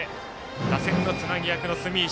打線のつなぎ役の住石。